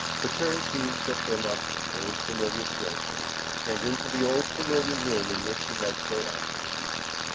The turnkey took him up the old familiar staircase and into the old familiar room in which he had so often been.